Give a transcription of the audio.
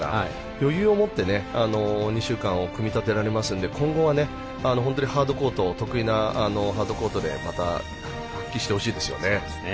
余裕を持って２週間を組み立てられますので今後は本当に得意なハードコートでまた復帰してほしいですね。